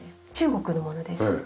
中国のものです。